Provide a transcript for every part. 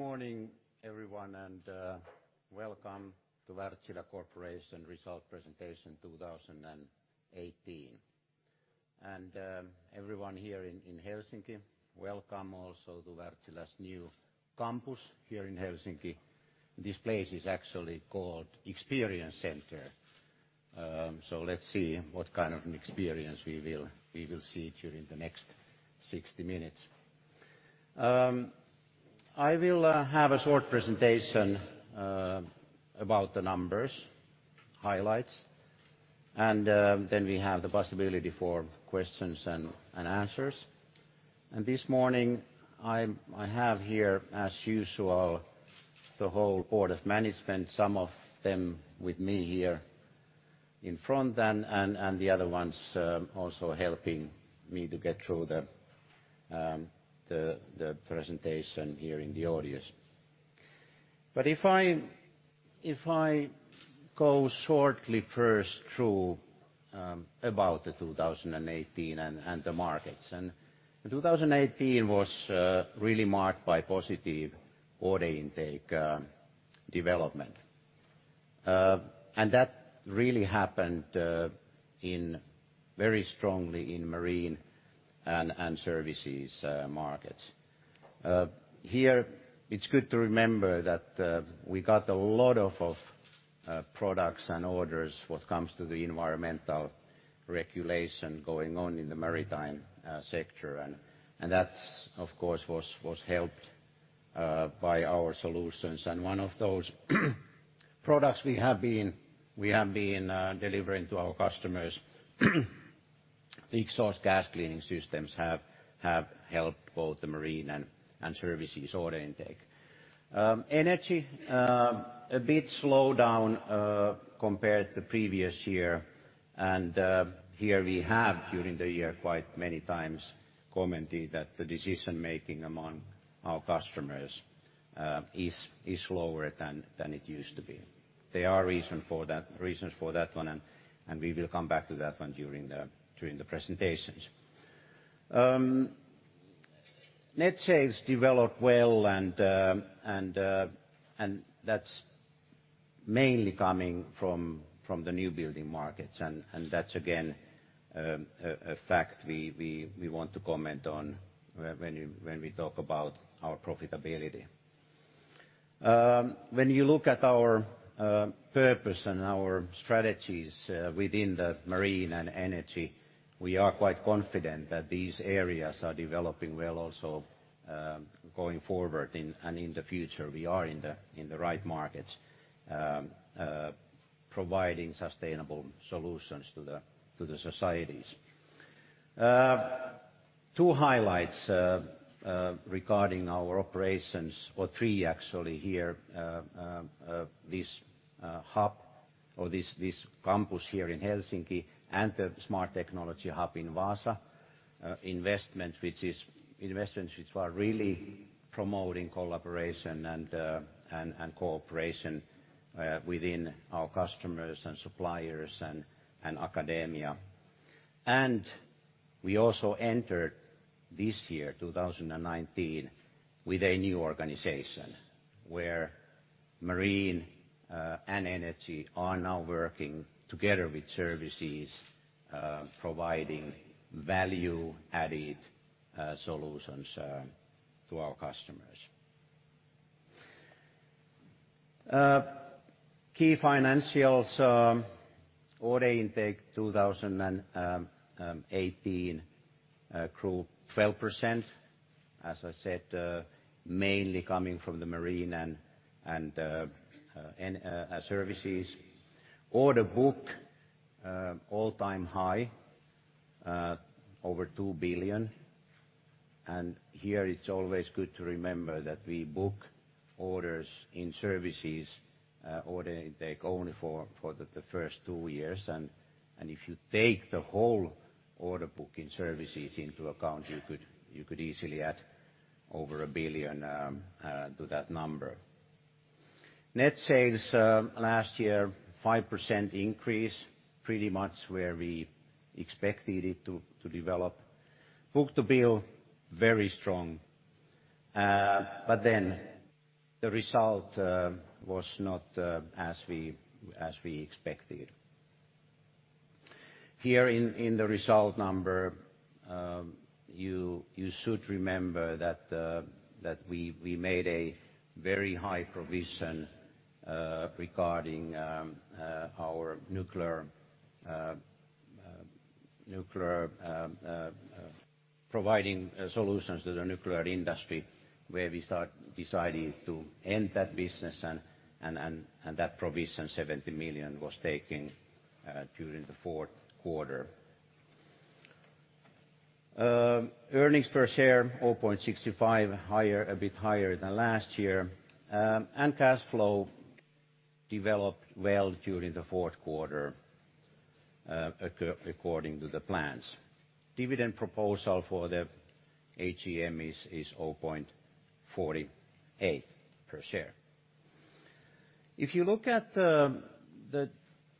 Good morning, everyone, welcome to Wärtsilä Corporation Result Presentation 2018. Everyone here in Helsinki, welcome also to Wärtsilä's new campus here in Helsinki. This place is actually called Experience Center. Let's see what kind of an experience we will see during the next 60 minutes. I will have a short presentation about the numbers, highlights, then we have the possibility for questions-and-answers. This morning, I have here, as usual, the whole Board of Management, some of them with me here in front, and the other ones also helping me to get through the presentation here in the audience. If I go shortly first through about the 2018 and the markets. 2018 was really marked by positive order intake development. That really happened very strongly in Marine and Services markets. Here, it's good to remember that we got a lot of products and orders what comes to the environmental regulation going on in the maritime sector, that, of course, was helped by our solutions. One of those products we have been delivering to our customers, the exhaust gas cleaning systems have helped both the Marine and Services order intake. Energy, a bit slowed down compared to previous year. Here we have, during the year, quite many times commented that the decision-making among our customers is slower than it used to be. There are reasons for that one, we will come back to that one during the presentations. Net sales developed well, that's mainly coming from the new building markets. That's again, a fact we want to comment on when we talk about our profitability. When you look at our purpose and our strategies within the Marine and Energy, we are quite confident that these areas are developing well also, going forward and in the future. We are in the right markets, providing sustainable solutions to the societies. Two highlights regarding our operations, or three actually here, this hub or this campus here in Helsinki and the smart technology hub in Vaasa. Investments which are really promoting collaboration and cooperation within our customers, suppliers and academia. We also entered this year, 2019, with a new organization where Marine and Energy are now working together with Services, providing value-added solutions to our customers. Key financials, order intake 2018 grew 12%, as I said, mainly coming from the Marine and Services. Order book, all-time high, over 2 billion. Here it's always good to remember that we book orders in Services order intake only for the first two years. If you take the whole order book in Services into account, you could easily add over 1 billion to that number. Net sales last year, 5% increase, pretty much where we expected it to develop. Book-to-bill, very strong. The result was not as we expected. Here in the result number, you should remember that we made a very high provision regarding our providing solutions to the nuclear industry, where we start deciding to end that business, that provision, 70 million, was taken during the fourth quarter. Earnings per share, 0.65, a bit higher than last year. Cash flow developed well during the fourth quarter, according to the plans. Dividend proposal for the AGM is 0.48 per share. Look at the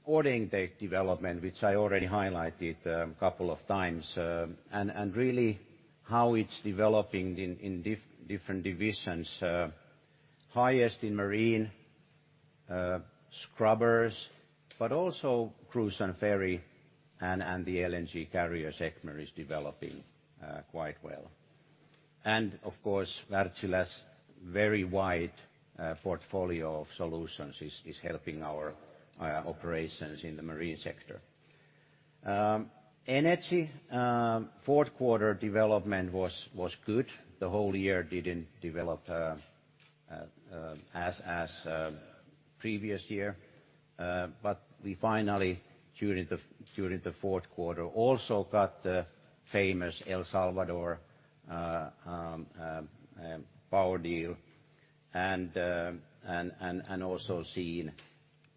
ordering date development, which I already highlighted a couple of times, and really how it is developing in different divisions. Highest in marine scrubbers, also cruise and ferry, and the LNG carrier segment is developing quite well. Of course, Wärtsilä's very wide portfolio of solutions is helping our operations in the marine sector. Energy fourth quarter development was good. The whole year did not develop as previous year. We finally, during the fourth quarter, also got the famous El Salvador power deal, also seen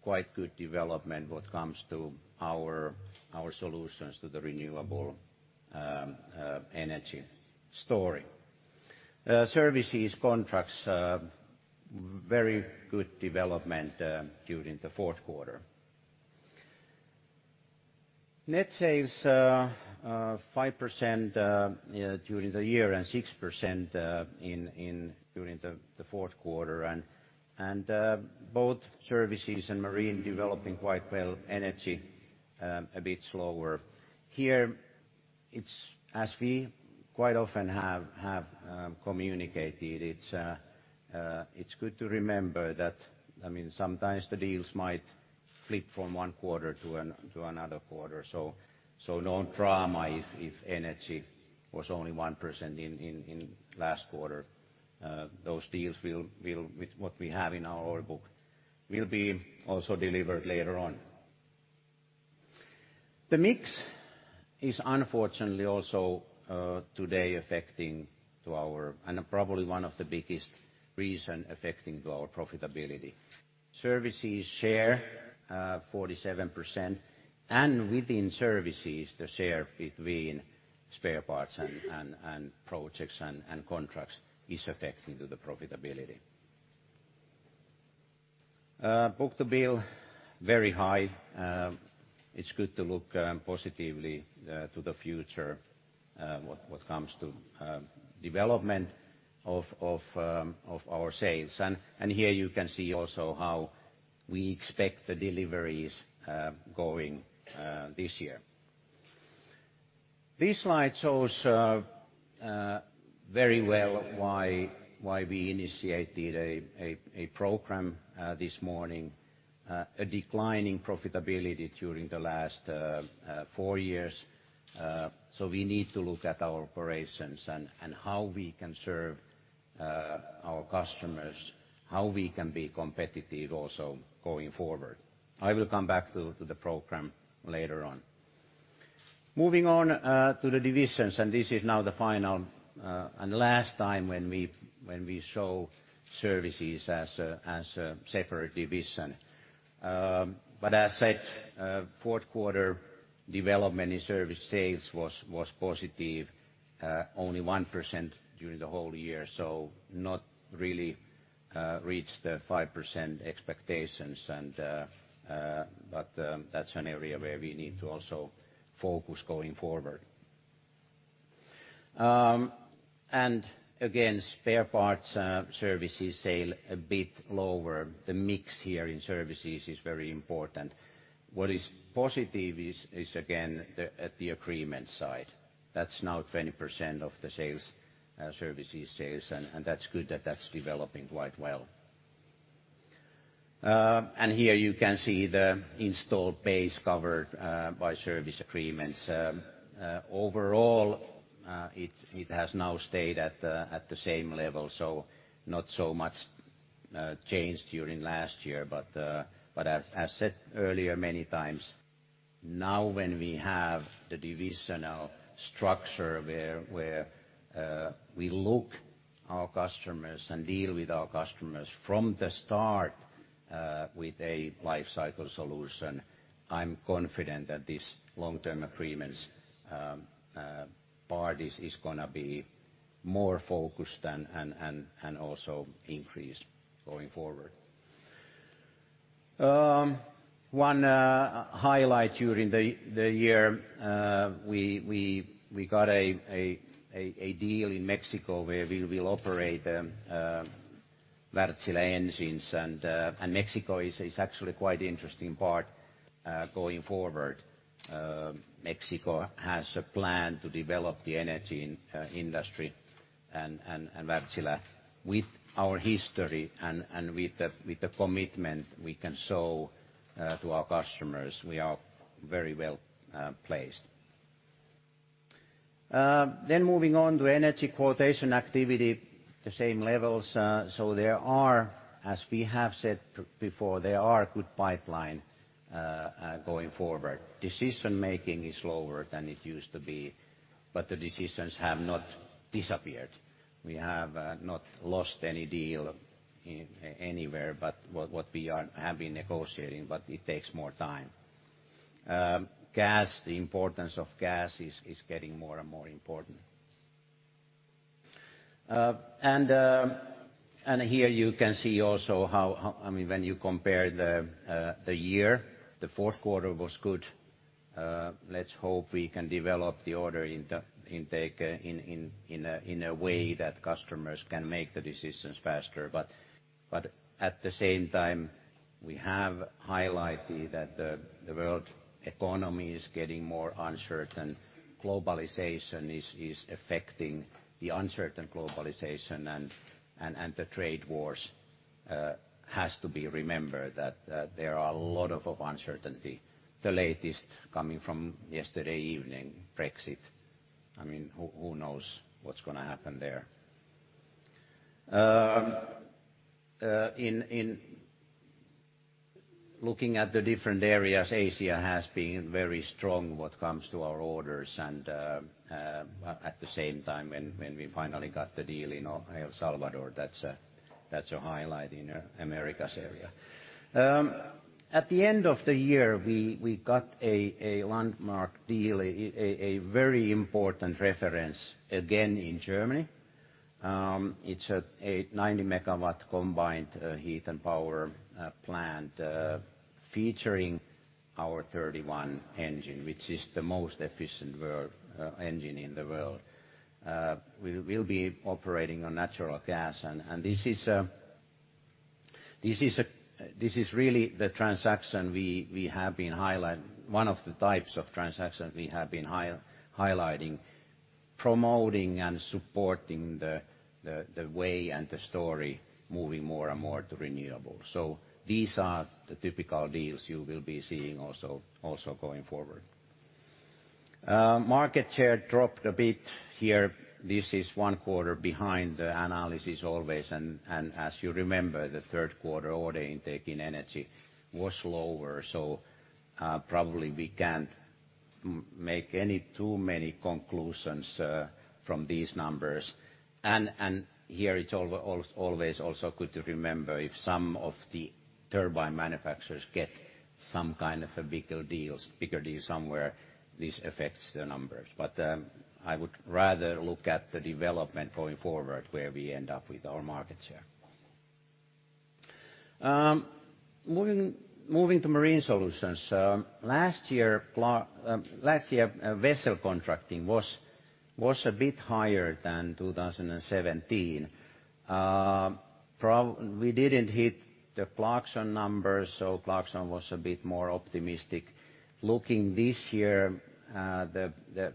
quite good development when it comes to our solutions to the renewable energy story. Services contracts, very good development during the fourth quarter. Net sales, 5% during the year and 6% during the fourth quarter. Both services and marine developing quite well, energy, a bit slower. Here, it is as we quite often have communicated, it is good to remember that sometimes the deals might flip from one quarter to another quarter. No drama if energy was only 1% in last quarter. Those deals, with what we have in our order book, will be also delivered later on. The mix is unfortunately also today affecting our and probably one of the biggest reason affecting our profitability. Services share, 47%, within services, the share between spare parts and projects and contracts is affecting our profitability. Book-to-bill, very high. It is good to look positively to the future when it comes to development of our sales. Here you can see also how we expect the deliveries going this year. This slide shows very well why we initiated a program this morning, a decline in profitability during the last four years. We need to look at our operations and how we can serve our customers, how we can be competitive also going forward. I will come back to the program later on. Moving on to the divisions, this is now the final and last time when we show services as a separate division. As said, fourth quarter development in service sales was positive, only 1% during the whole year. Not really reached the 5% expectations, that is an area where we need to also focus going forward. Again, spare parts services sale a bit lower. The mix here in services is very important. What is positive is, again, at the agreement side. That is now 20% of the services sales, that is good that that is developing quite well. Here you can see the installed base covered by service agreements. Overall, it has now stayed at the same level, not so much change during last year. As said earlier many times, now when we have the divisional structure where we look our customers and deal with our customers from the start with a life cycle solution, I am confident that this long-term agreements part is going to be more focused and also increase going forward. One highlight during the year, we got a deal in Mexico where we will operate Wärtsilä engines. Mexico is actually quite interesting part going forward. Mexico has a plan to develop the energy industry, Wärtsilä, with our history and with the commitment we can show to our customers, we are very well-placed. Moving on to energy quotation activity, the same levels. There are, as we have said before, there are good pipeline going forward. Decision-making is slower than it used to be, the decisions have not disappeared. We have not lost any deal anywhere but what we have been negotiating, but it takes more time. Gas, the importance of gas is getting more and more important. Here you can see also when you compare the year, the fourth quarter was good. Let's hope we can develop the order intake in a way that customers can make the decisions faster. At the same time, we have highlighted that the world economy is getting more uncertain. Globalization is affecting the uncertain globalization, the trade wars has to be remembered that there are a lot of uncertainty. The latest coming from yesterday evening, Brexit. Who knows what's going to happen there. Looking at the different areas, Asia has been very strong when it comes to our orders. At the same time, when we finally got the deal in El Salvador, that's a highlight in America's area. At the end of the year, we got a landmark deal, a very important reference again in Germany. It's a 90-megawatt combined heat and power plant, featuring our Wärtsilä 31, which is the most efficient engine in the world. We'll be operating on natural gas. This is really one of the types of transactions we have been highlighting, promoting and supporting the way and the story moving more and more to renewable. These are the typical deals you will be seeing also going forward. Market share dropped a bit here. This is one quarter behind the analysis always. As you remember, the third quarter order intake in energy was lower. Probably we can't make any too many conclusions from these numbers. Here it's always also good to remember if some of the turbine manufacturers get some kind of a bigger deal somewhere, this affects the numbers. I would rather look at the development going forward, where we end up with our market share. Moving to marine solutions. Last year, vessel contracting was a bit higher than 2017. We didn't hit the Clarksons numbers. Clarksons was a bit more optimistic. Looking this year, the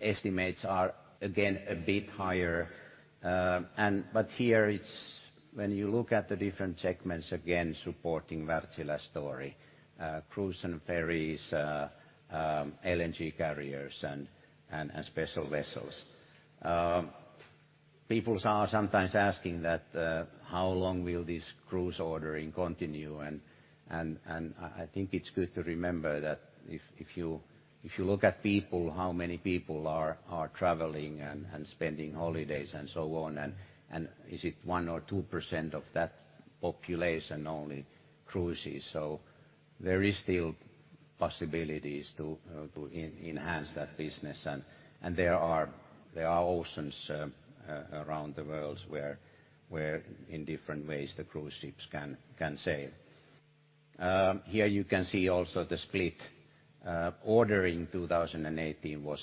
estimates are again a bit higher. Here, when you look at the different segments, again, supporting Wärtsilä story, cruise and ferries, LNG carriers and special vessels. People are sometimes asking that how long will this cruise ordering continue? I think it's good to remember that if you look at people, how many people are traveling and spending holidays and so on, is it 1% or 2% of that population only cruises. There is still possibilities to enhance that business, and there are oceans around the world where in different ways the cruise ships can sail. Here you can see also the split. Ordering 2018 was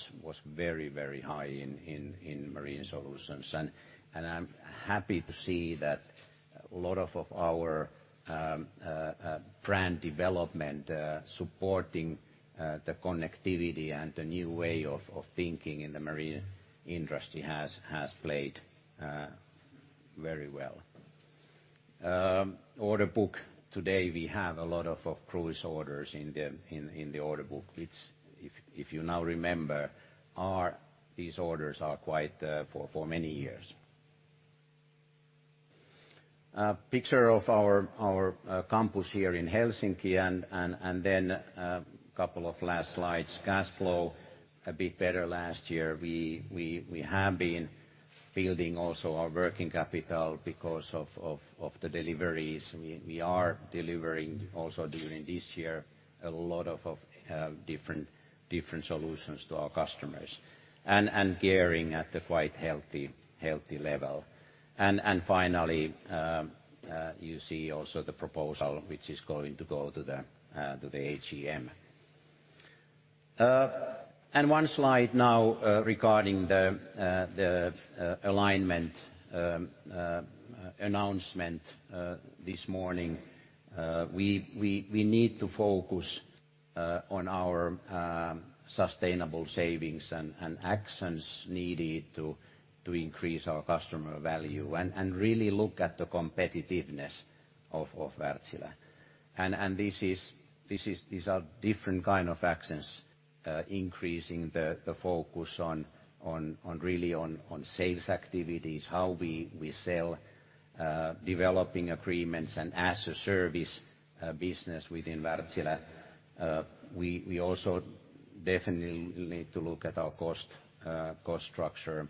very high in marine solutions. I'm happy to see that a lot of our brand development, supporting the connectivity and the new way of thinking in the marine industry has played very well. Order book, today we have a lot of cruise orders in the order book, which, if you now remember, these orders are quite for many years. A picture of our campus here in Helsinki, then couple of last slides. Cash flow, a bit better last year. We have been building also our working capital because of the deliveries. We are delivering also during this year, a lot of different solutions to our customers, and gearing at the quite healthy level. Finally, you see also the proposal which is going to go to the AGM. One slide now regarding the alignment announcement this morning. We need to focus on our sustainable savings and actions needed to increase our customer value and really look at the competitiveness of Wärtsilä. These are different kind of actions, increasing the focus really on sales activities, how we sell, developing agreements and as-a-service business within Wärtsilä. We also definitely need to look at our cost structure.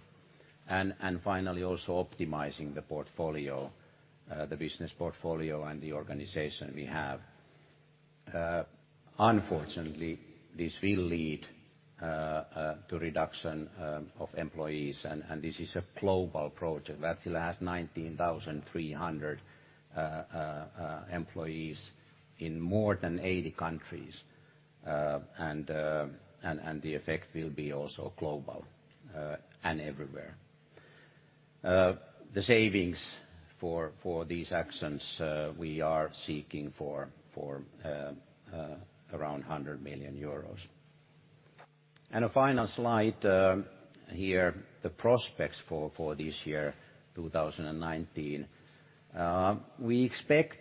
Finally, also optimizing the business portfolio and the organization we have. Unfortunately, this will lead to reduction of employees, and this is a global approach. Wärtsilä has 19,300 employees in more than 80 countries, and the effect will be also global and everywhere. The savings for these actions, we are seeking for around 100 million euros. A final slide here, the prospects for this year, 2019. We expect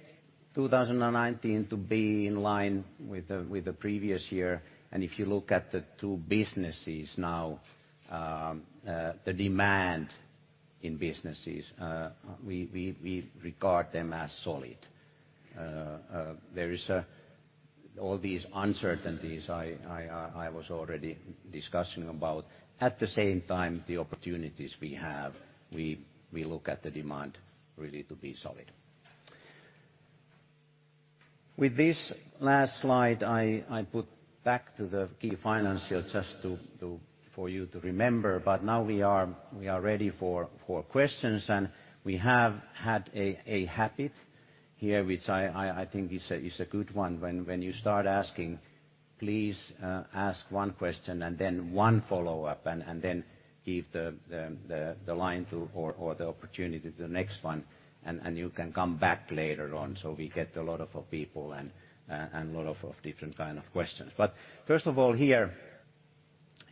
2019 to be in line with the previous year. If you look at the two businesses now, the demand in businesses, we regard them as solid. There is all these uncertainties I was already discussing about. At the same time, the opportunities we have, we look at the demand really to be solid. With this last slide, I put back to the key financials just for you to remember. Now we are ready for questions, and we have had a habit here, which I think is a good one. When you start asking, please ask one question and then one follow-up, then give the line or the opportunity to the next one, and you can come back later on, so we get a lot of people and a lot of different kind of questions. First of all here,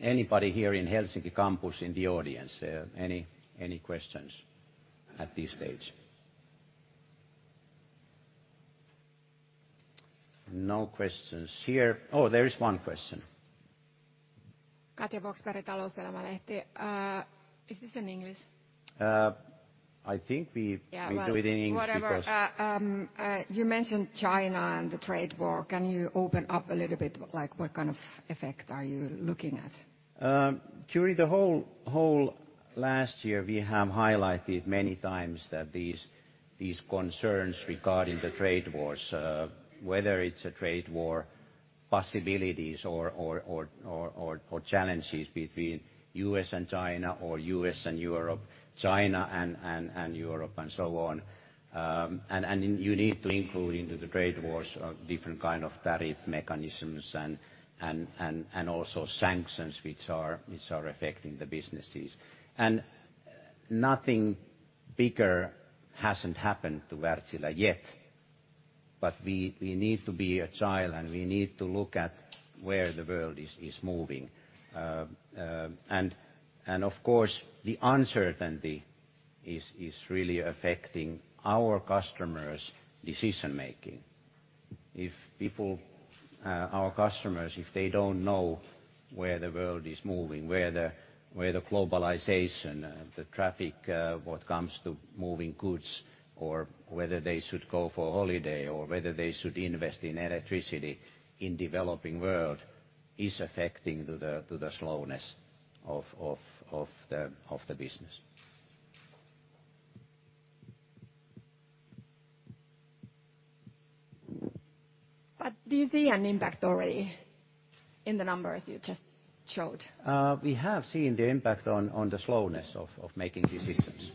anybody here in Helsinki campus in the audience, any questions at this stage? No questions here. Oh, there is one question. Katja Boxberg, Talouselämä Lehti. Is this in English? I think we do it in English because. Yeah, well, whatever. You mentioned China and the trade war. Can you open up a little bit, what kind of effect are you looking at? During the whole last year, we have highlighted many times that these concerns regarding the trade wars, whether it's trade war possibilities or challenges between U.S. and China or U.S. and Europe, China and Europe, and so on. You need to include into the trade wars different kind of tariff mechanisms and also sanctions which are affecting the businesses. Nothing bigger hasn't happened to Wärtsilä yet. We need to be agile, and we need to look at where the world is moving. Of course, the uncertainty is really affecting our customers' decision-making. If our customers, if they don't know where the world is moving, where the globalization, the traffic, what comes to moving goods or whether they should go for holiday or whether they should invest in electricity in developing world is affecting to the slowness of the business. Do you see an impact already in the numbers you just showed? We have seen the impact on the slowness of making decisions.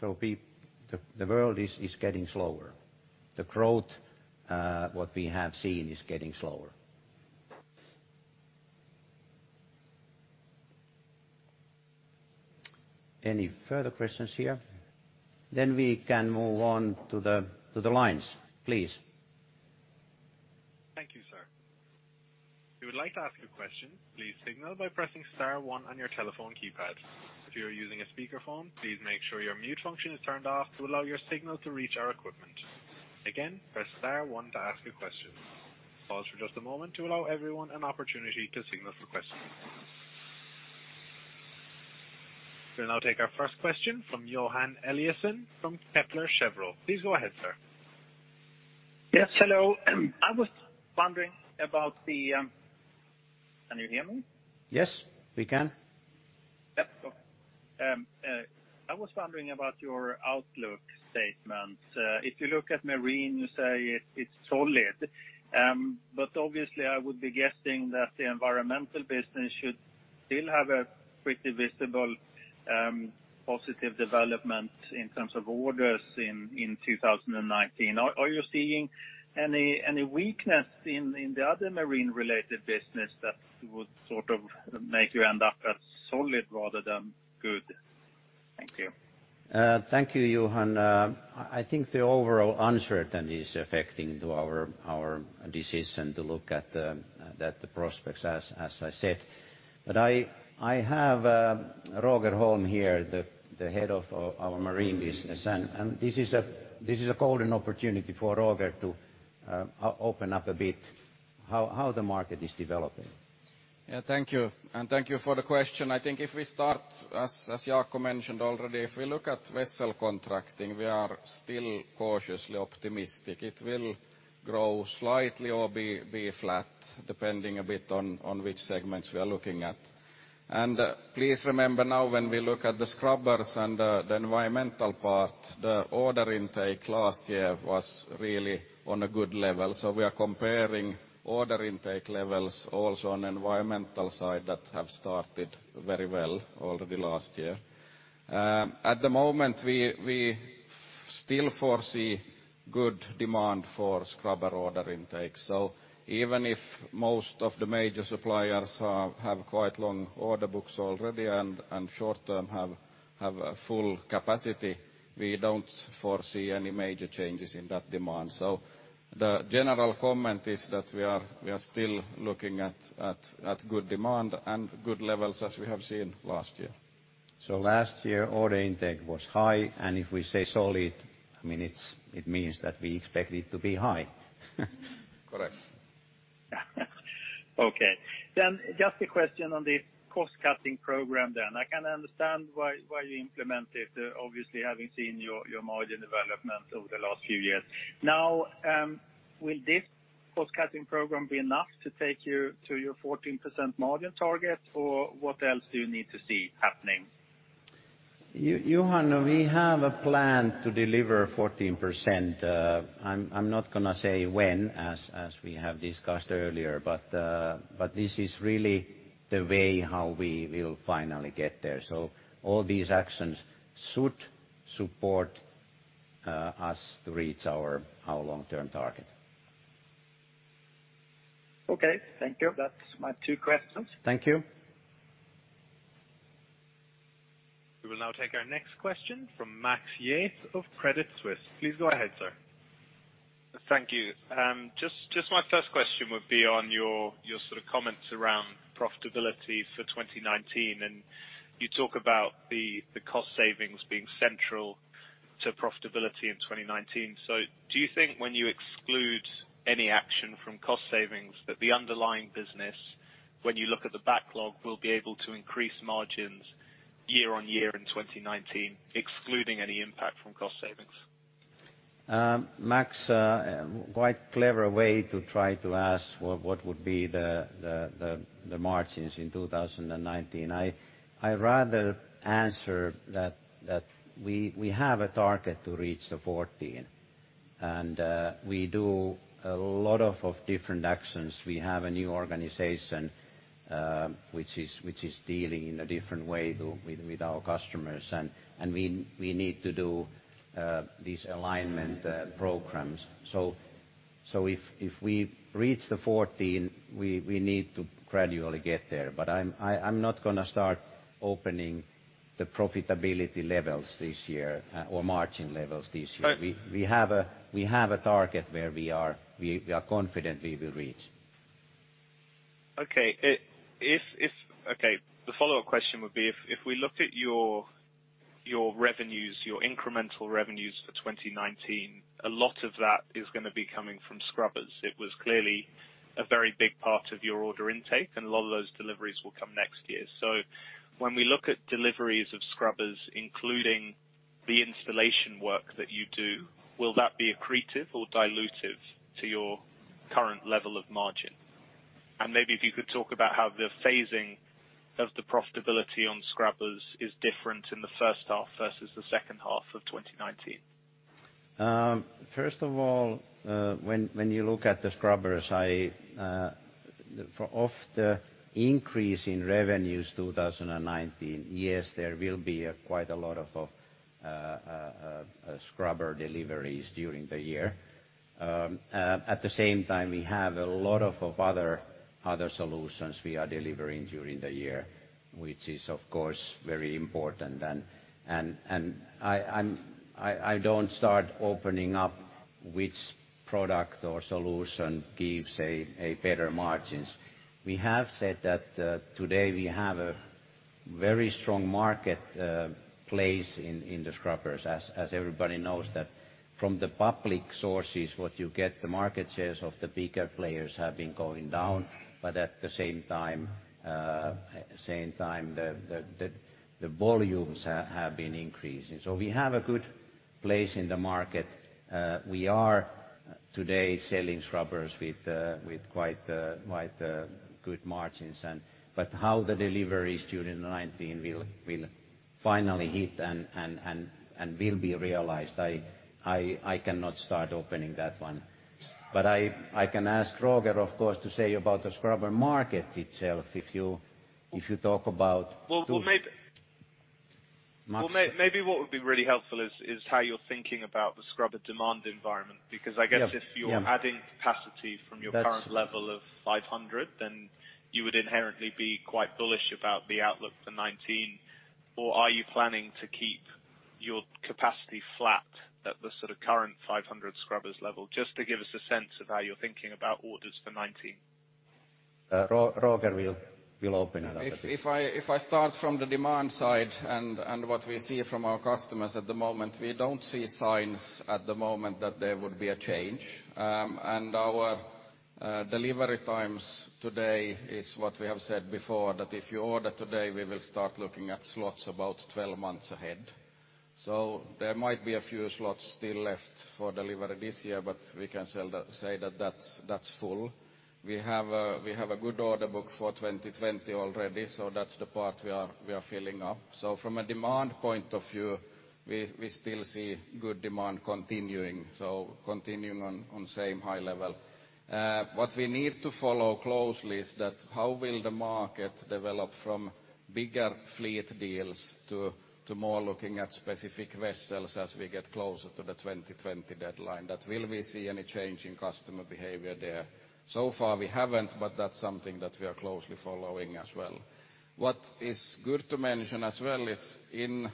The world is getting slower. The growth, what we have seen, is getting slower. Any further questions here? We can move on to the lines. Please. Thank you, sir. If you would like to ask a question, please signal by pressing star one on your telephone keypad. If you're using a speakerphone, please make sure your mute function is turned off to allow your signal to reach our equipment. Again, press star one to ask a question. Pause for just a moment to allow everyone an opportunity to signal for questions. We'll now take our first question from Johan Eliasson from Kepler Cheuvreux. Please go ahead, sir. Yes. Hello. Can you hear me? Yes, we can. Yep. I was wondering about your outlook statements. If you look at Marine, you say it's solid. Obviously I would be guessing that the environmental business should still have a pretty visible positive development in terms of orders in 2019. Are you seeing any weakness in the other marine-related business that would sort of make you end up at solid rather than good? Thank you. Thank you, Johan. I think the overall uncertainty is affecting to our decision to look at the prospects as I said. I have Roger Holm here, the head of our marine business. This is a golden opportunity for Roger to open up a bit how the market is developing. Yeah. Thank you, and thank you for the question. I think if we start, as Jaakko mentioned already, if we look at vessel contracting, we are still cautiously optimistic. It will grow slightly or be flat, depending a bit on which segments we are looking at. Please remember now when we look at the scrubbers and the environmental part, the order intake last year was really on a good level. We are comparing order intake levels also on environmental side that have started very well already last year. At the moment, we still foresee good demand for scrubber order intake. Even if most of the major suppliers have quite long order books already and short-term have a full capacity, we don't foresee any major changes in that demand. The general comment is that we are still looking at good demand and good levels as we have seen last year. Last year, order intake was high, and if we say solid, it means that we expect it to be high. Correct. Okay. Just a question on the cost-cutting program then. I can understand why you implement it, obviously, having seen your margin development over the last few years. Now, will this cost-cutting program be enough to take you to your 14% margin target, or what else do you need to see happening? Johan, we have a plan to deliver 14%. I'm not going to say when, as we have discussed earlier, but this is really the way how we will finally get there. All these actions should support us to reach our long-term target. Okay, thank you. That's my two questions. Thank you. We will now take our next question from Max Yates of Credit Suisse. Please go ahead, sir. Thank you. Just my first question would be on your comments around profitability for 2019. You talk about the cost savings being central to profitability in 2019. Do you think when you exclude any action from cost savings that the underlying business, when you look at the backlog, will be able to increase margins year-on-year in 2019, excluding any impact from cost savings? Max, quite clever way to try to ask what would be the margins in 2019. I rather answer that we have a target to reach the 14%. We do a lot of different actions. We have a new organization which is dealing in a different way with our customers. We need to do these alignment programs. If we reach the 14%, we need to gradually get there. I'm not going to start opening the profitability levels this year or margin levels this year. Right. We have a target where we are confident we will reach. Okay. The follow-up question would be, if we looked at your incremental revenues for 2019, a lot of that is going to be coming from scrubbers. It was clearly a very big part of your order intake, and a lot of those deliveries will come next year. When we look at deliveries of scrubbers, including the installation work that you do, will that be accretive or dilutive to your current level of margin? And maybe if you could talk about how the phasing of the profitability on scrubbers is different in the first half versus the second half of 2019. First of all, when you look at the scrubbers, of the increase in revenues 2019, yes, there will be quite a lot of scrubber deliveries during the year. At the same time, we have a lot of other solutions we are delivering during the year, which is, of course, very important. I don't start opening up which product or solution gives a better margins. We have said that today we have a very strong marketplace in the scrubbers, as everybody knows that from the public sources, what you get, the market shares of the bigger players have been going down, but at the same time, the volumes have been increasing. We have a good place in the market. We are today selling scrubbers with quite good margins. How the deliveries during the 2019 will finally hit and will be realized, I cannot start opening that one. I can ask Roger, of course, to say about the scrubber market itself. Well, maybe. Max. Maybe what would be really helpful is how you're thinking about the scrubber demand environment, because I guess if you're adding capacity from your current level of 500, then you would inherently be quite bullish about the outlook for 2019. Are you planning to keep your capacity flat at the current 500 scrubbers level? Just to give us a sense of how you're thinking about orders for 2019. Roger will open it up. If I start from the demand side and what we see from our customers at the moment, we don't see signs at the moment that there would be a change. Our delivery times today is what we have said before, that if you order today, we will start looking at slots about 12 months ahead. There might be a few slots still left for delivery this year, but we can say that's full. We have a good order book for 2020 already, that's the part we are filling up. From a demand point of view, we still see good demand continuing on same high level. What we need to follow closely is that how will the market develop from bigger fleet deals to more looking at specific vessels as we get closer to the 2020 deadline, that will we see any change in customer behavior there? Far we haven't, but that's something that we are closely following as well. What is good to mention as well is in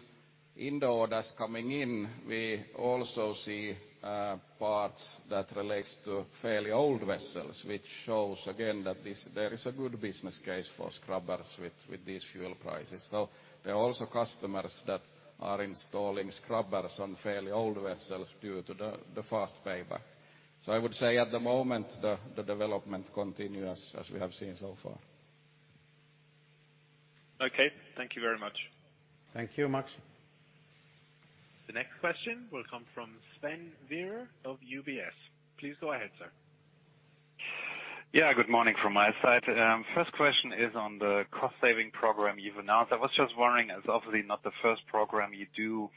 the orders coming in, we also see parts that relates to fairly old vessels, which shows again that there is a good business case for scrubbers with these fuel prices. There are also customers that are installing scrubbers on fairly old vessels due to the fast payback. I would say at the moment, the development continue as we have seen so far. Okay. Thank you very much. Thank you, Max. The next question will come from Sven Weier of UBS. Please go ahead, sir. Yeah, good morning from my side. First question is on the cost saving program you've announced. I was just wondering, as obviously not the first program you do,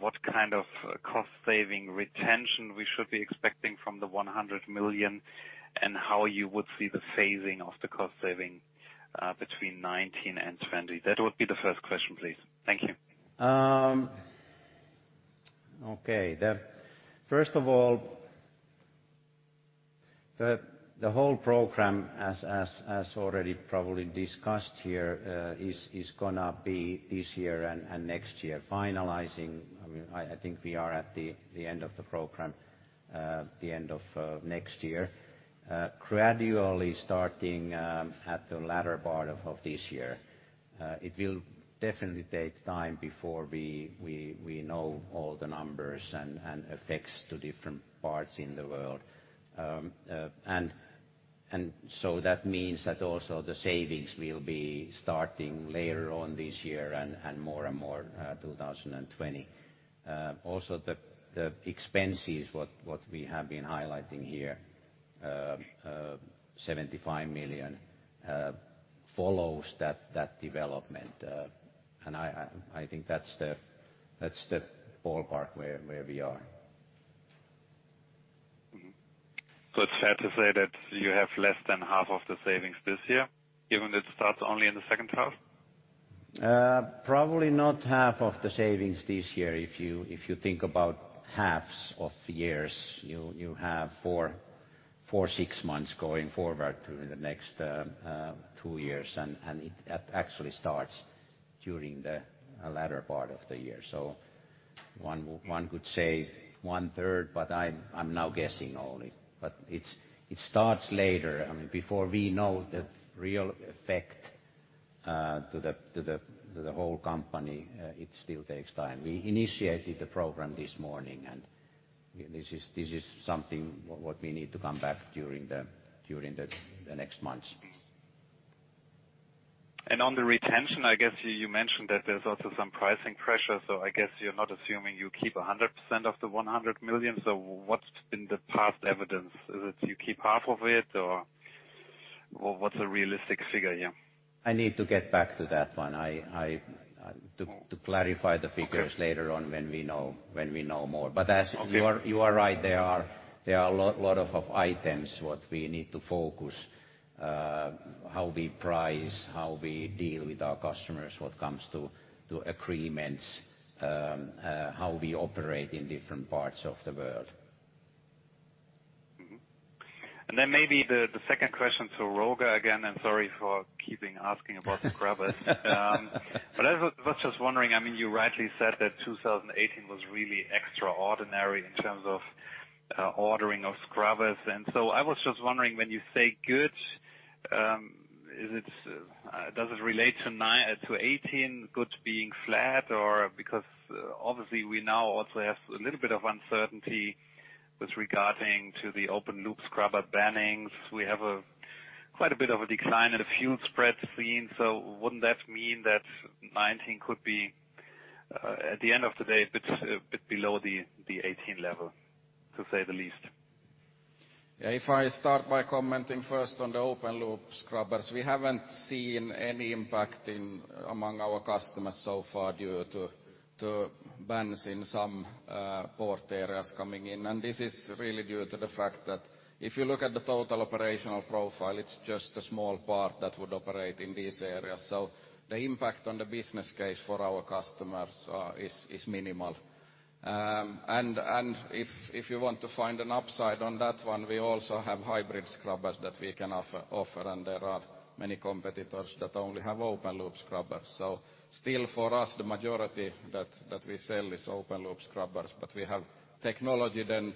what kind of cost saving retention we should be expecting from the 100 million, and how you would see the phasing of the cost saving between 2019 and 2020? That would be the first question, please. Thank you. Okay. First of all, the whole program, as already probably discussed here, is going to be this year and next year finalizing. I think we are at the end of the program, the end of next year, gradually starting at the latter part of this year. It will definitely take time before we know all the numbers and effects to different parts in the world. That means that also the savings will be starting later on this year and more and more 2020. Also the expenses, what we have been highlighting here, 75 million, follows that development. I think that's the ballpark where we are. It's fair to say that you have less than half of the savings this year given it starts only in the second half? Probably not half of the savings this year. If you think about halves of years, you have four, six months going forward during the next two years, and it actually starts during the latter part of the year. One could say one third, but I'm now guessing only. It starts later. Before we know the real effect to the whole company, it still takes time. We initiated the program this morning, this is something what we need to come back during the next months. On the retention, I guess you mentioned that there's also some pricing pressure. I guess you're not assuming you keep 100% of the 100 million. What's been the past evidence? Is it you keep half of it or what's a realistic figure here? I need to get back to that one. To clarify the figures later on when we know more. Okay You are right, there are a lot of items what we need to focus, how we price, how we deal with our customers, what comes to agreements, how we operate in different parts of the world. Then maybe the second question to Roger again, and sorry for keeping asking about scrubbers. I was just wondering, you rightly said that 2018 was really extraordinary in terms of ordering of scrubbers. I was just wondering, when you say good, does it relate to 2018 good being flat or because obviously we now also have a little bit of uncertainty with regarding to the open loop scrubber bannings. We have quite a bit of a decline in the fuel spread seen. Wouldn't that mean that 2019 could be, at the end of the day, a bit below the 2018 level, to say the least? I start by commenting first on the open loop scrubbers, we haven't seen any impact among our customers so far due to bans in some port areas coming in. This is really due to the fact that if you look at the total operational profile, it's just a small part that would operate in these areas. The impact on the business case for our customers is minimal. If you want to find an upside on that one, we also have hybrid scrubbers that we can offer, and there are many competitors that only have open loop scrubbers. Still for us, the majority that we sell is open loop scrubbers, but we have technology then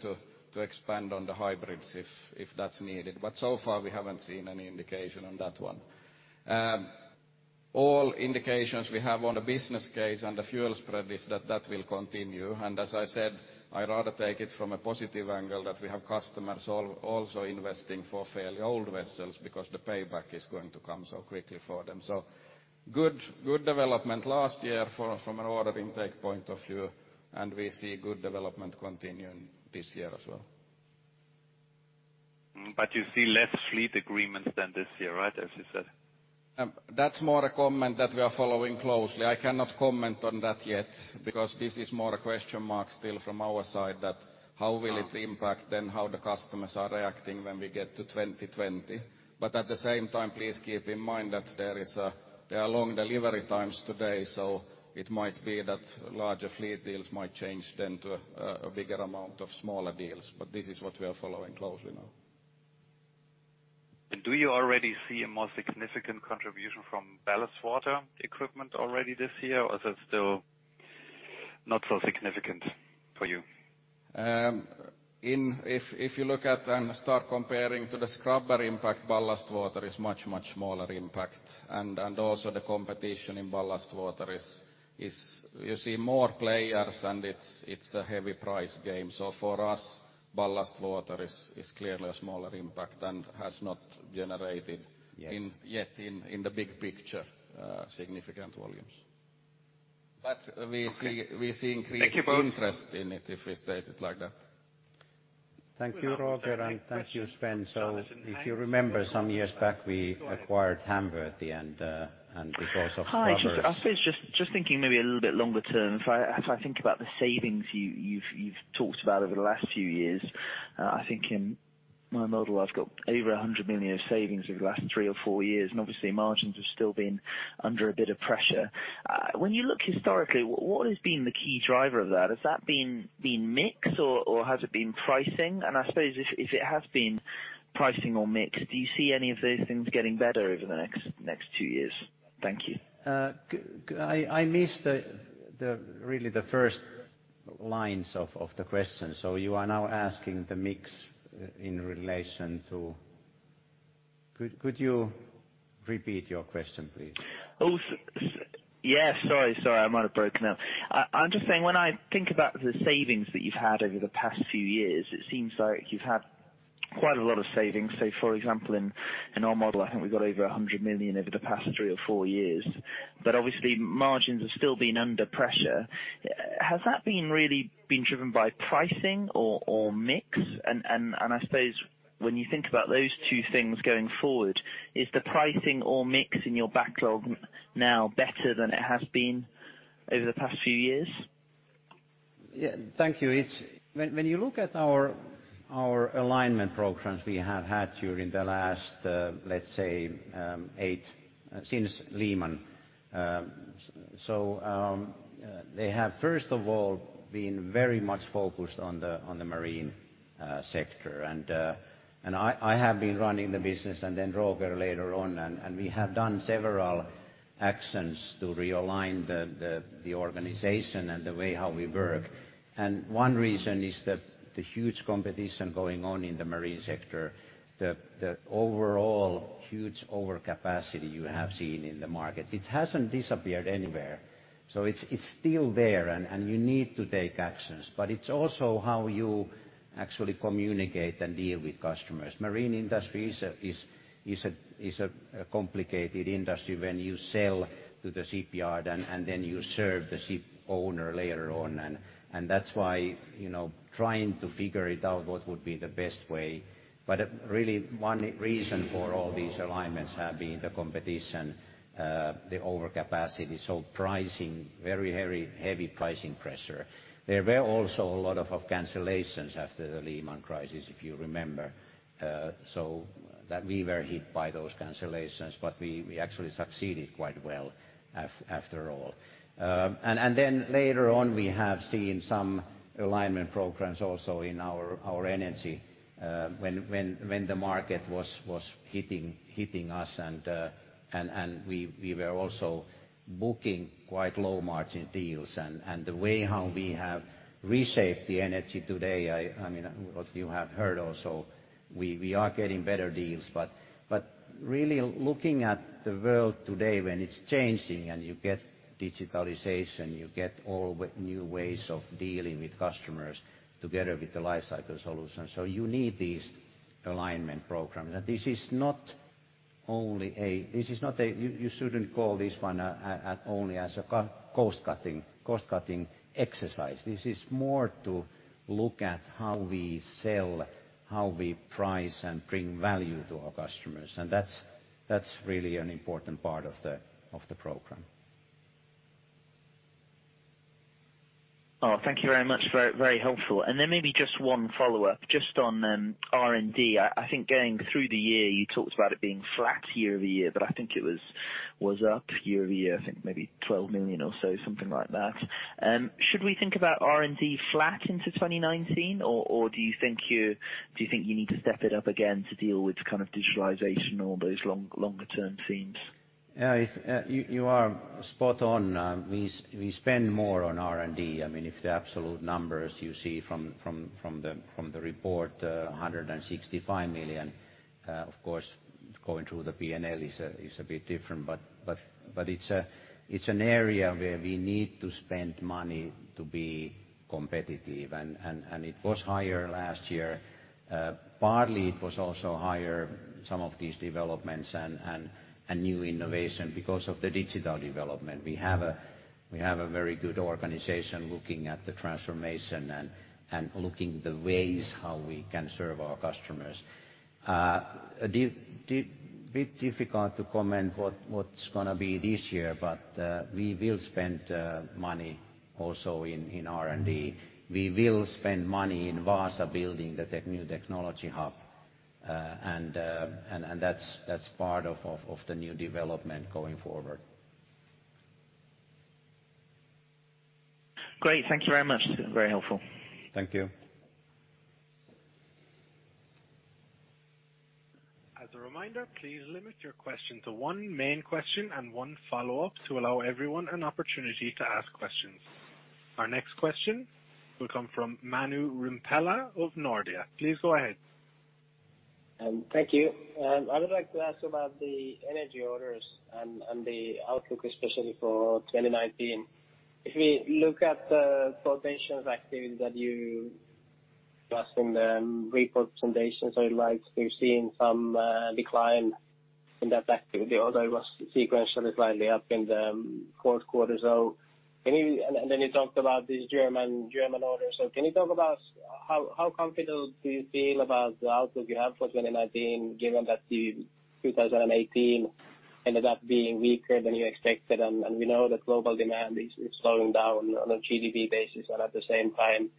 to expand on the hybrids if that's needed. So far, we haven't seen any indication on that one. All indications we have on the business case and the fuel spread is that that will continue. As I said, I'd rather take it from a positive angle that we have customers also investing for fairly old vessels because the payback is going to come so quickly for them. Good development last year from an order intake point of view, and we see good development continuing this year as well. You see less fleet agreements than this year, right? As you said. That's more a comment that we are following closely. I cannot comment on that yet, because this is more a question mark still from our side that how will it impact then how the customers are reacting when we get to 2020. At the same time, please keep in mind that there are long delivery times today. It might be that larger fleet deals might change then to a bigger amount of smaller deals. This is what we are following closely now. Do you already see a more significant contribution from ballast water equipment already this year? Or is it still not so significant for you? If you look at and start comparing to the scrubber impact, ballast water is much smaller impact. Also the competition in ballast water is you see more players and it's a heavy price game. For us, ballast water is clearly a smaller impact and has not generated. Yet Yet in the big picture, significant volumes. We see. Okay. Thank you we see increased interest in it, if we state it like that. Thank you, Roger, and thank you, Sven. If you remember, some years back, we acquired Hamworthy. Hi, just thinking maybe a little bit longer-term, as I think about the savings you've talked about over the last few years. I think in my model, I've got over 100 million of savings over the last three or four years, margins have still been under a bit of pressure. When you look historically, what has been the key driver of that? Has that been the mix or has it been pricing? I suppose if it has been pricing or mix, do you see any of those things getting better over the next two years? Thank you. I missed really the first lines of the question. You are now asking the mix in relation to Could you repeat your question, please? Yeah, sorry. I might have broken up. I'm just saying, when I think about the savings that you've had over the past few years, it seems like you've had quite a lot of savings. Say, for example, in our model, I think we've got over 100 million over the past three or four years, but obviously margins have still been under pressure. Has that been really been driven by pricing or mix? I suppose when you think about those two things going forward, is the pricing or mix in your backlog now better than it has been over the past few years? Yeah. Thank you. When you look at our alignment programs we have had during the last, let's say, since Lehman. They have, first of all, been very much focused on the marine sector. I have been running the business and then Roger later on, and we have done several actions to realign the organization and the way how we work. One reason is that the huge competition going on in the marine sector, the overall huge overcapacity you have seen in the market, it hasn't disappeared anywhere. It's still there and you need to take actions, but it's also how you actually communicate and deal with customers. Marine industry is a complicated industry. When you sell to the shipyard and then you serve the ship owner later on, and that's why trying to figure it out, what would be the best way. Really one reason for all these alignments have been the competition, the overcapacity. Pricing, very heavy pricing pressure. There were also a lot of cancellations after the Lehman crisis, if you remember. We were hit by those cancellations, but we actually succeeded quite well after all. Later on, we have seen some alignment programs also in our energy, when the market was hitting us and we were also booking quite low margin deals. The way how we have reshaped the energy today, what you have heard also, we are getting better deals. Really looking at the world today when it's changing and you get digitalization, you get all new ways of dealing with customers together with the lifecycle solution. You need these alignment programs. This is not only You shouldn't call this one only as a cost-cutting exercise. This is more to look at how we sell, how we price and bring value to our customers. That's really an important part of the program. Thank you very much. Very helpful. Maybe just one follow-up, just on R&D. I think going through the year, you talked about it being flat year-over-year, but I think it was up year-over-year, I think maybe 12 million or so, something like that. Should we think about R&D flat into 2019, or do you think you need to step it up again to deal with kind of digitalization or those longer-term themes? Yeah. You are spot on. We spend more on R&D. If the absolute numbers you see from the report, 165 million, of course, going through the P&L is a bit different. It's an area where we need to spend money to be competitive, and it was higher last year. Partly, it was also higher, some of these developments and new innovation because of the digital development. We have a very good organization looking at the transformation and looking at the ways how we can serve our customers. A bit difficult to comment what's going to be this year, but we will spend money also in R&D. We will spend money in Vaasa building the new technology hub, and that's part of the new development going forward. Great. Thank you very much. Very helpful. Thank you. As a reminder, please limit your question to one main question and one follow-up to allow everyone an opportunity to ask questions. Our next question will come from Manu Rimpelä of Nordea. Please go ahead. Thank you. I would like to ask about the energy orders and the outlook, especially for 2019. If we look at the quotations activity that you passed in the report foundations, I would like to see some decline in that activity, although it was sequentially slightly up in the fourth quarter. Then you talked about these German orders. Can you talk about how comfortable do you feel about the outlook you have for 2019, given that 2018 ended up being weaker than you expected, at the same time,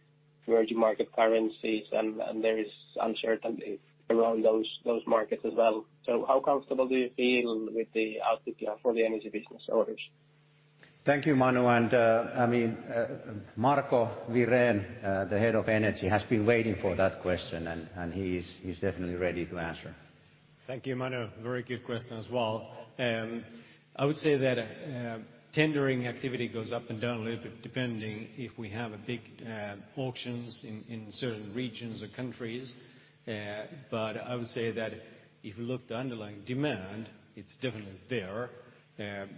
emerging market currencies, and there is uncertainty around those markets as well. How comfortable do you feel with the outlook you have for the energy business orders? Thank you, Manu. Marco Wirén, the head of energy, has been waiting for that question, and he's definitely ready to answer. Thank you, Manu. Very good question as well. I would say that tendering activity goes up and down a little bit, depending if we have big auctions in certain regions or countries. I would say that if you look at the underlying demand, it's definitely there.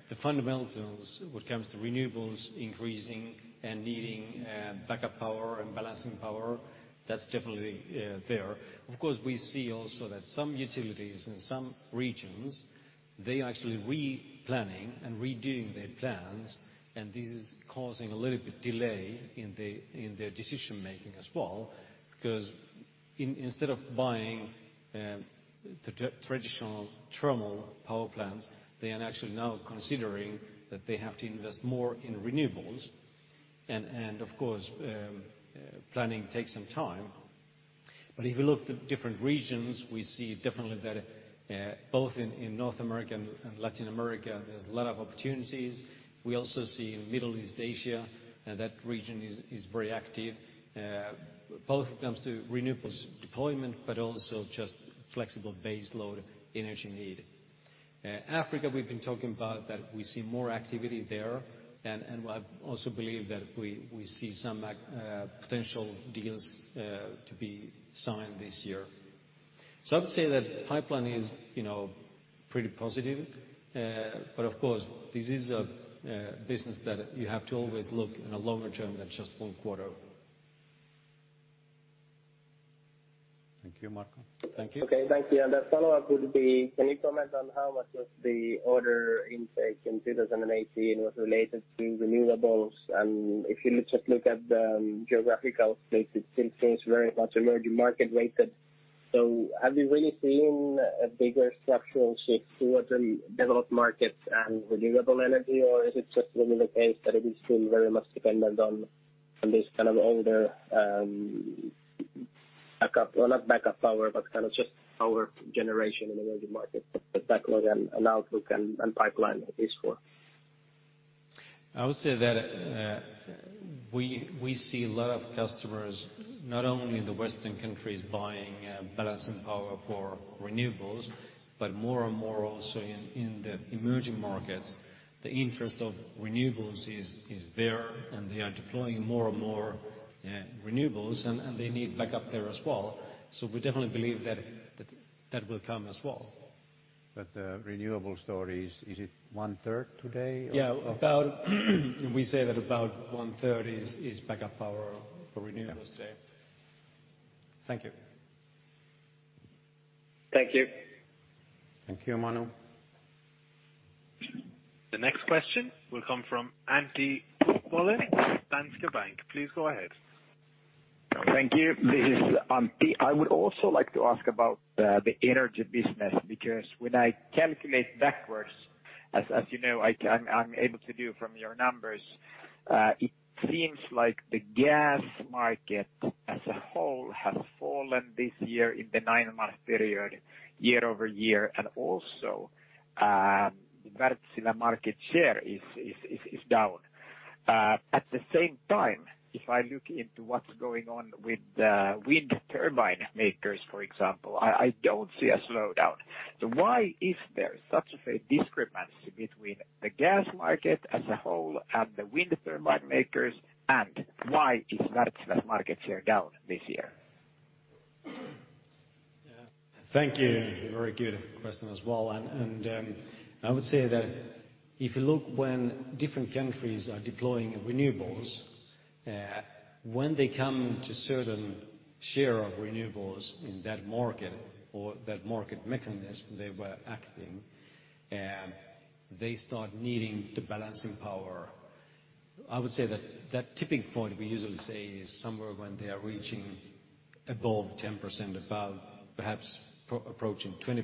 The fundamentals, when it comes to renewables increasing and needing backup power and balancing power, that's definitely there. Of course, we see also that some utilities in some regions, they are actually replanning and redoing their plans, and this is causing a little bit delay in their decision-making as well. Instead of buying the traditional thermal power plants, they are actually now considering that they have to invest more in renewables, and of course, planning takes some time. If you look at the different regions, we see definitely that both in North America and Latin America, there's a lot of opportunities. We also see in Middle East Asia, that region is very active, both when it comes to renewables deployment, but also just flexible base load energy need. Africa, we've been talking about that we see more activity there, and I also believe that we see some potential deals to be signed this year. I would say that pipeline is pretty positive. Of course, this is a business that you have to always look in a longer-term than just one quarter. Thank you, Marko. Thank you. A follow-up would be, can you comment on how much of the order intake in 2018 was related to renewables? If you just look at the geographical split, it seems very much emerging market-weighted. Have you really seen a bigger structural shift towards the developed markets and renewable energy, or is it just really the case that it is still very much dependent on this kind of older, not backup power, but kind of just power generation in emerging markets, the backlog and outlook and pipeline at least for? I would say that we see a lot of customers, not only in the Western countries, buying balancing power for renewables, but more and more also in the emerging markets. The interest of renewables is there, and they are deploying more and more renewables, and they need backup there as well. We definitely believe that that will come as well. The renewables story, is it one-third today? Yeah. We say that about one-third is backup power for renewables today. Thank you. Thank you. Thank you, Manu. The next question will come from Antti Hollo, Danske Bank. Please go ahead. Thank you. This is Antti. I would also like to ask about the energy business, because when I calculate backwards, as you know, I am able to do from your numbers, it seems like the gas market as a whole has fallen this year in the nine-month period year-over-year, and also the Wärtsilä market share is down. At the same time, if I look into what is going on with the wind turbine makers, for example, I do not see a slowdown. Why is there such a discrepancy between the gas market as a whole and the wind turbine makers, and why is Wärtsilä's market share down this year? Thank you. Very good question as well. I would say that if you look when different countries are deploying renewables, when they come to certain share of renewables in that market or that market mechanism they were acting, they start needing the balancing power. I would say that tipping point, we usually say, is somewhere when they are reaching above 10%, above perhaps approaching 20%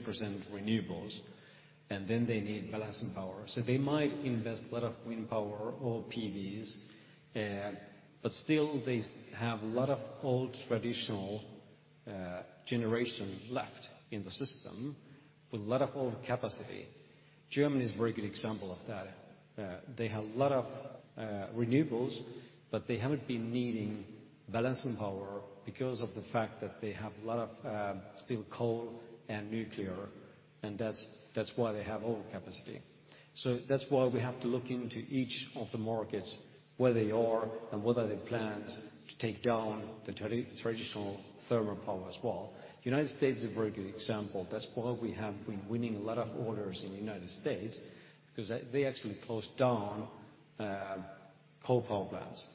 renewables, then they need balancing power. They might invest a lot of wind power or PVs, but still they have a lot of old traditional generation left in the system with a lot of old capacity. Germany is a very good example of that. They have a lot of renewables, but they haven't been needing balancing power because of the fact that they have a lot of still coal and nuclear, and that's why they have overcapacity. That's why we have to look into each of the markets, where they are and what are the plans to take down the traditional thermal power as well. The U.S. is a very good example. That's why we have been winning a lot of orders in the U.S., because they actually closed down coal power plants.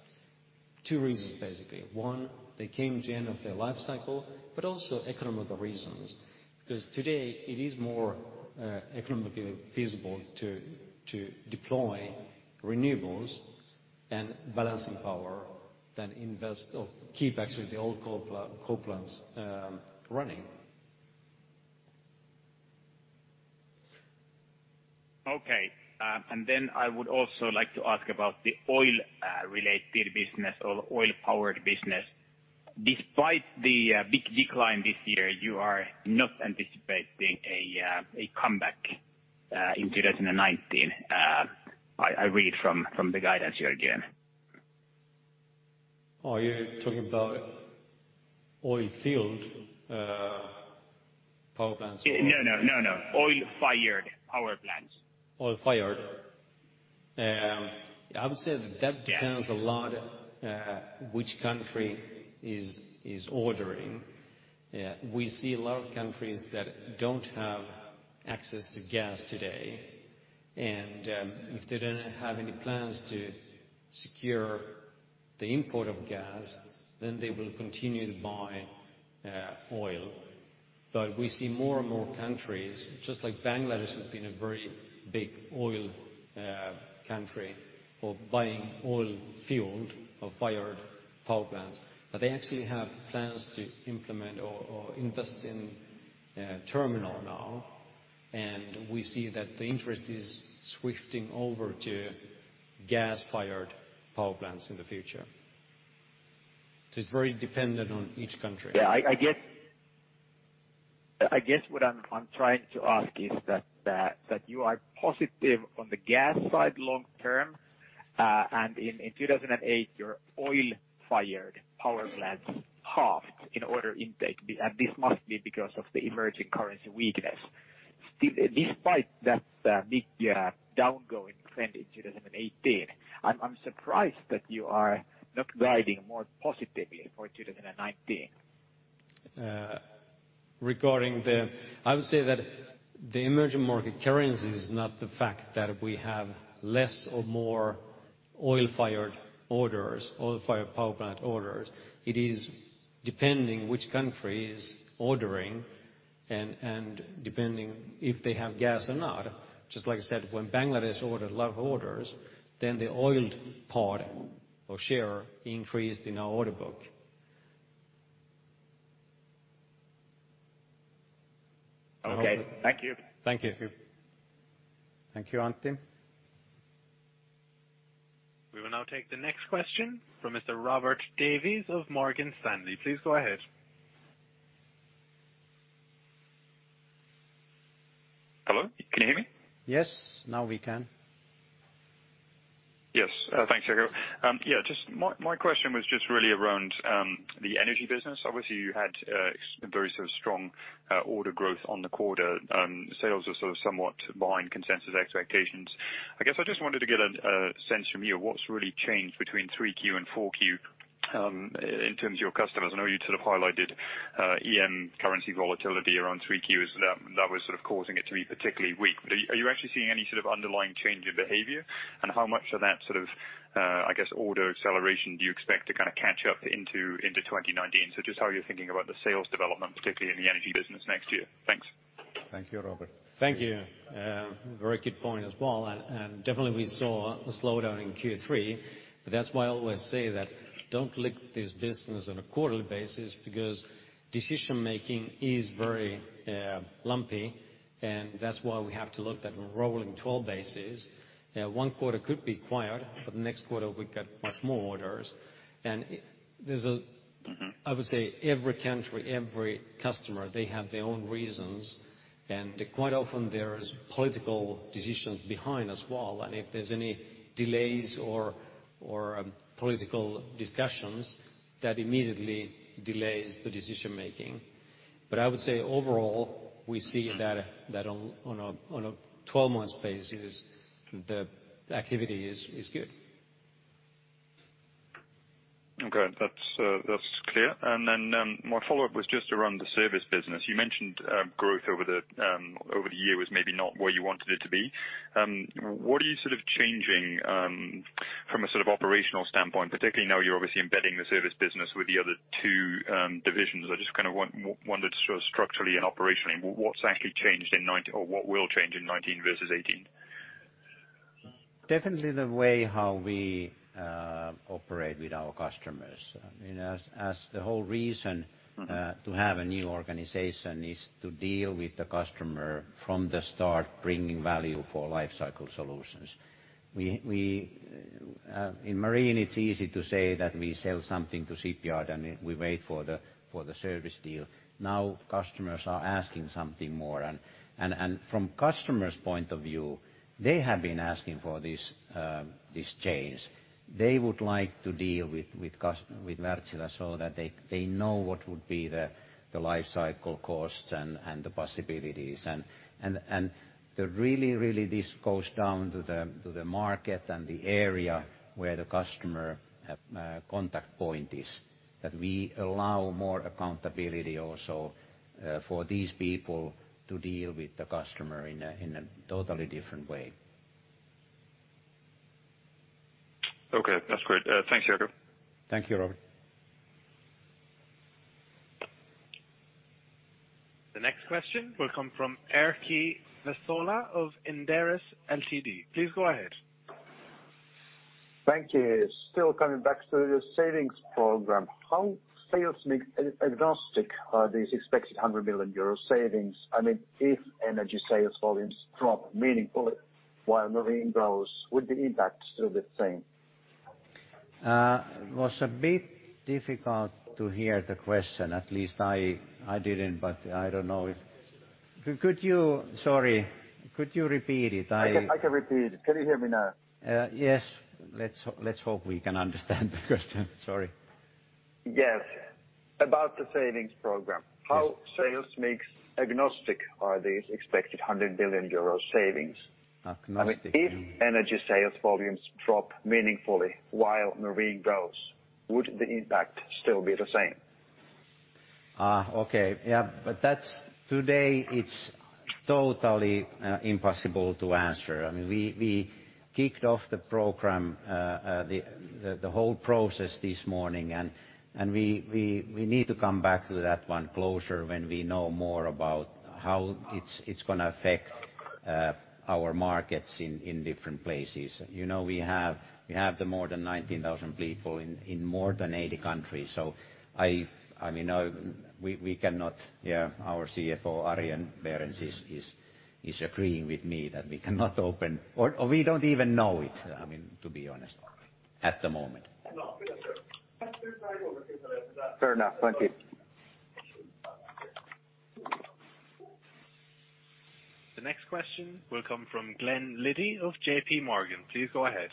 Two reasons, basically. One, they came to the end of their life cycle, but also economic reasons. Because today it is more economically feasible to deploy renewables and balancing power than invest or keep actually the old coal plants running. Okay. I would also like to ask about the oil-related business or oil-powered business. Despite the big decline this year, you are not anticipating a comeback in 2019, I read from the guidance here again. Are you talking about oil-fueled power plants or- No, oil-fired power plants. Oil-fired. I would say that depends a lot which country is ordering. We see a lot of countries that don't have access to gas today, and if they don't have any plans to secure the import of gas, then they will continue to buy oil. We see more and more countries, just like Bangladesh has been a very big oil country for buying oil-fueled or fired power plants. They actually have plans to implement or invest in terminal now, and we see that the interest is shifting over to gas-fired power plants in the future. It's very dependent on each country. I guess what I'm trying to ask is that, you are positive on the gas side long-term, and in 2008, your oil-fired power plants halved in order intake, and this must be because of the emerging currency weakness. Despite that big down going trend in 2018, I'm surprised that you are not guiding more positively for 2019. I would say that the emerging market currency is not the fact that we have less or more oil-fired power plant orders. It is depending which country is ordering and depending if they have gas or not. Just like I said, when Bangladesh ordered a lot of orders, then the oil-fired part or share increased in our order book. Okay. Thank you. Thank you. Thank you, Antti. We will now take the next question from Mr. Robert Davies of Morgan Stanley. Please go ahead. Hello, can you hear me? Yes, now we can. Yes. Thanks, Jaakko. My question was just really around the energy business. Obviously, you had a very sort of strong order growth on the quarter. Sales are sort of somewhat behind consensus expectations. I guess I just wanted to get a sense from you of what's really changed between 3Q and 4Q, in terms of your customers. I know you sort of highlighted EM currency volatility around 3Q as that was sort of causing it to be particularly weak. Are you actually seeing any sort of underlying change in behavior? How much of that sort of, I guess, order acceleration do you expect to kind of catch up into 2019? Just how you're thinking about the sales development, particularly in the energy business next year. Thanks. Thank you, Robert. Thank you. Very good point as well. Definitely we saw a slowdown in Q3. That's why I always say that don't look at this business on a quarterly basis because decision-making is very lumpy, and that's why we have to look at rolling 12 basis. One quarter could be quiet, the next quarter we get much more orders. I would say every country, every customer, they have their own reasons, and quite often there is political decisions behind as well, and if there's any delays or political discussions, that immediately delays the decision-making. I would say overall, we see that on a 12 months basis, the activity is good. Okay, that's clear. My follow-up was just around the service business. You mentioned growth over the year was maybe not where you wanted it to be. What are you changing from a sort of operational standpoint, particularly now you're obviously embedding the service business with the other two divisions? I just kind of wondered structurally and operationally, what's actually changed, or what will change in 2019 versus 2018? Definitely the way how we operate with our customers. The whole reason to have a new organization is to deal with the customer from the start, bringing value for life cycle solutions. In marine, it's easy to say that we sell something to shipyard, and we wait for the service deal. Now customers are asking something more. From customers' point of view, they have been asking for this change. They would like to deal with Wärtsilä so that they know what would be the life cycle costs and the possibilities. Really this goes down to the market and the area where the customer contact point is, that we allow more accountability also for these people to deal with the customer in a totally different way. Okay, that's great. Thanks, Jaakko. Thank you, Robert. The next question will come from Erkki Vesola of Inderes Ltd. Please go ahead. Thank you. Still coming back to the savings program. How sales mix agnostic are these expected 100 million euro savings? I mean, if energy sales volumes drop meaningfully while marine grows, would the impact still be the same? Was a bit difficult to hear the question. At least I didn't, but Could you, sorry, could you repeat it? I can repeat. Can you hear me now? Yes. Let's hope we can understand the question. Sorry. Yes. About the savings program- Yes. How sales mix agnostic are these expected 100 billion euro savings? Agnostic. If energy sales volumes drop meaningfully while marine grows, would the impact still be the same? Okay. Yeah. Today it's totally impossible to answer. I mean, we kicked off the program, the whole process this morning, We need to come back to that one closer when we know more about how it's going to affect our markets in different places. We have the more than 19,000 people in more than 80 countries. I mean, our CFO, Arjen Berends, is agreeing with me that we cannot open Or we don't even know it, I mean, to be honest, at the moment. No. Okay, sure. The next question will come from Glen Liddy of JPMorgan. Please go ahead.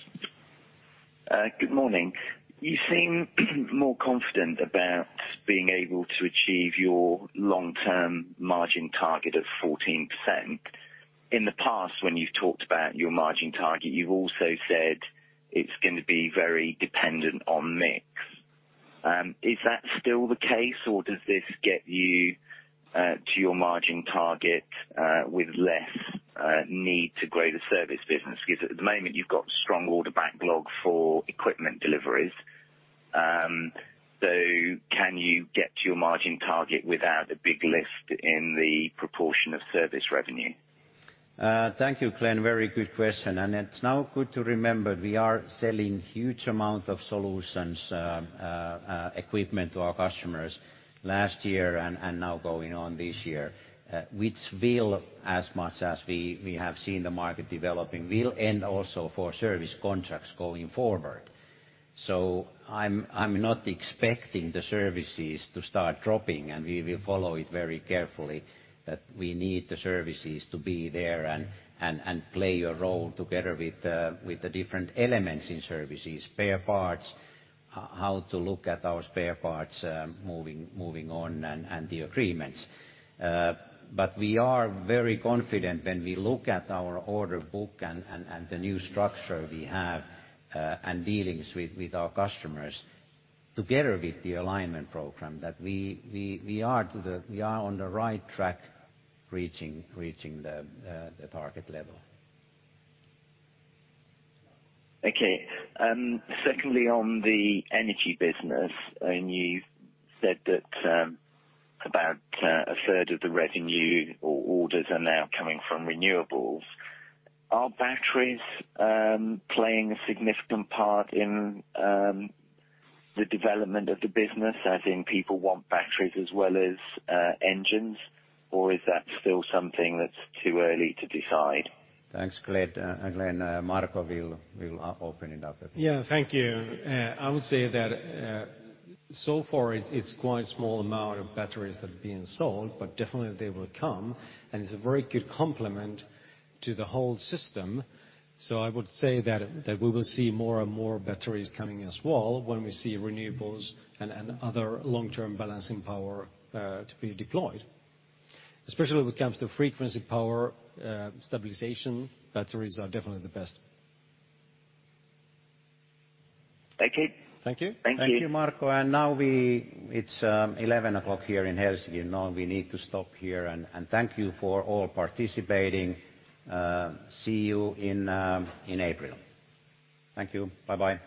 Good morning. You seem more confident about being able to achieve your long-term margin target of 14%. In the past, when you've talked about your margin target, you've also said it's going to be very dependent on mix. Is that still the case, or does this get you to your margin target with less need to grow the service business? At the moment you've got strong order backlog for equipment deliveries. Can you get to your margin target without a big lift in the proportion of service revenue? Thank you, Glenn. Very good question. It's now good to remember, we are selling huge amount of solutions, equipment to our customers last year and now going on this year, which will, as much as we have seen the market developing, will end also for service contracts going forward. I'm not expecting the services to start dropping, and we will follow it very carefully, that we need the services to be there and play a role together with the different elements in services. Spare parts, how to look at our spare parts moving on, and the agreements. We are very confident when we look at our order book and the new structure we have and dealings with our customers together with the alignment program, that we are on the right track reaching the target level. Okay. Secondly, on the energy business, you said that about a third of the revenue or orders are now coming from renewables. Are batteries playing a significant part in the development of the business, as in people want batteries as well as engines? Is that still something that's too early to decide? Thanks, Glen. Marco will open it up. Yeah. Thank you. I would say that so far it's quite small amount of batteries that are being sold, but definitely they will come. It's a very good complement to the whole system. I would say that we will see more and more batteries coming as well when we see renewables and other long-term balancing power to be deployed. Especially when it comes to frequency power stabilization, batteries are definitely the best. Thank you. Thank you. Thank you, Marco. Now it's 11 o'clock here in Helsinki. We need to stop here, and thank you for all participating. See you in April. Thank you. Bye-bye.